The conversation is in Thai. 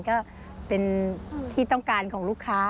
ก็เป็นที่ต้องการของลูกค้า